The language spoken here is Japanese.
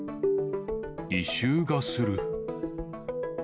異臭がする。